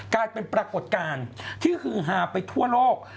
กลายเป็นปรากฏการณ์ที่ฮือฮาไปทั่วโลก